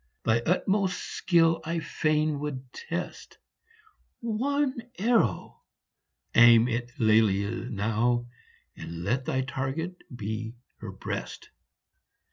Thy utmost skill I fain would test ; One arrow aim at Lelia now, And let thy target be her breast